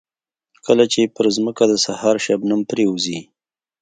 کله چې پر ځمکه د سهار شبنم پرېوځي.